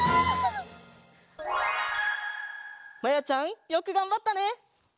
まやちゃんよくがんばったね！